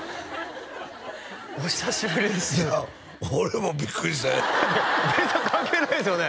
お久しぶりですいや俺もビックリしたべーさん関係ないですよね